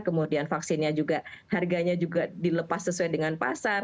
kemudian vaksinnya juga harganya juga dilepas sesuai dengan pasar